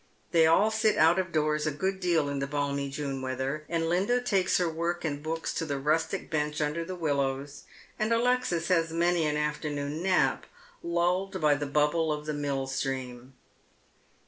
They all sit out of doors a good deal in the balmy June weather, and Linda takes her work and books to the rustic bench under the willows, and Alexis has many an afternoon nap, lulled by the bubble of the mill stream.